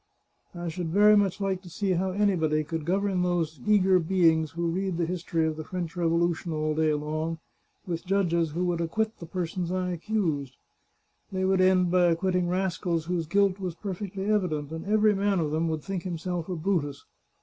' I should very much like to see how anybody could govern these eager beings who read the history of the French Revolution all day long, with judges who would acquit the persons I accused. They would end by acquitting rascals whose guilt was per fectly evident, and every man of them would think himself a Brutus.